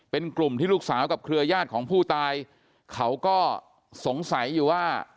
เป็นกลุ่มที่ลูกสาวกับเครือญาติของผู้ตายเขาก็สงสัยอยู่ว่า